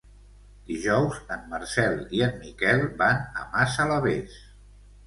Dijous en Marcel i en Miquel van a Massalavés.